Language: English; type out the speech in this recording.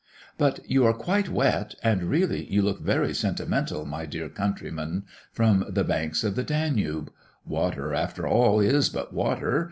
"But you are quite wet, and really you look very sentimental, my dear countryman from the banks of the Danube! Water, after all, is but water!